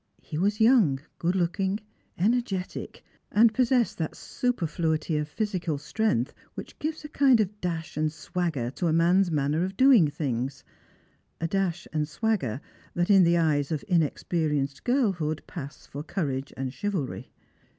He was young, good looking, energetic, and possessed that superfluity of physical strength which gives a kind of dash and swagger to a man's manner of doing things— a dash and swagger that, in the eyes of inexperienced girlhood, pass for couraga and chivalry.